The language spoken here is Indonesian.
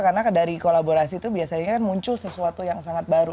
karena dari kolaborasi itu biasanya kan muncul sesuatu yang sangat baru